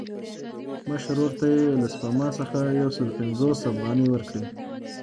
مشر ورور ته یې له سپما څخه یو سل پنځوس افغانۍ ورکړې.